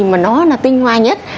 mà nó là tinh hoa nhất